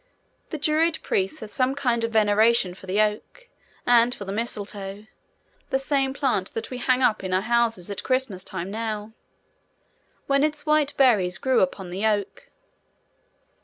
The Druid Priests had some kind of veneration for the Oak, and for the mistletoe—the same plant that we hang up in houses at Christmas Time now—when its white berries grew upon the Oak.